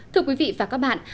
thưa quý vị và các bạn